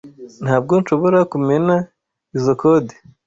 Ntabwo nshobora kumena izoi code.